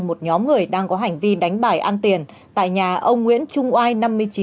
một nhóm người đang có hành vi đánh bài ăn tiền tại nhà ông nguyễn trung oai